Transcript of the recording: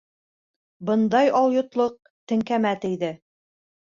Бындай алйотлоҡ теңкәмә тейҙе.